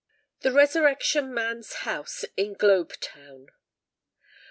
THE RESURRECTION MAN'S HOUSE IN GLOBE TOWN.